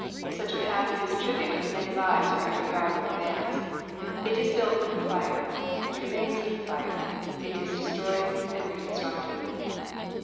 Such a path pays a tribute of many lives for every yard of advance. It is built under fire; it remains under fire. It is destroyed and reconstructed.